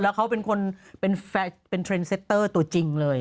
แล้วเขาเป็นคนเป็นเทรนด์เซ็ตเตอร์ตัวจริงเลย